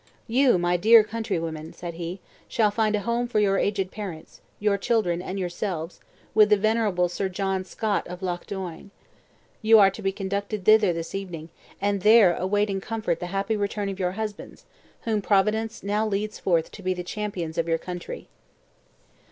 "You, my dear countrywomen," said he, "shall find a home for your aged parents, your children, and yourselves, with the venerable Sir John Scott of Loch Doine. You are to be conducted thither this evening, and there await in comfort the happy return of your husbands, whom Providence now leads forth to be the champions of your country."